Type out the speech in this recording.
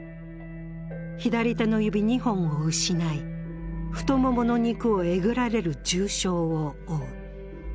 左手の指２本を失い、太ももの肉をえぐられる重傷を負う。